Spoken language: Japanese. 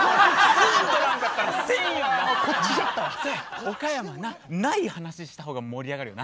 そうや岡山なない話しした方が盛り上がるよな。